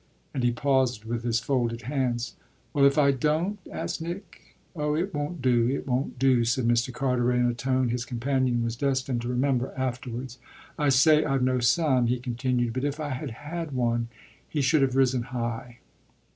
And he paused with his folded hands. "Well, if I don't?" asked Nick. "Oh it won't do it won't do," said Mr. Carteret in a tone his companion was destined to remember afterwards. "I say I've no son," he continued; "but if I had had one he should have risen high."